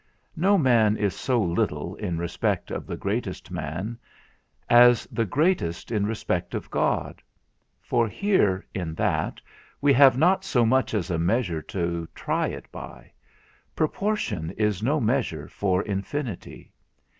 No man is so little, in respect of the greatest man, as the greatest in respect of God; for here, in that, we have not so much as a measure to try it by; proportion is no measure for infinity.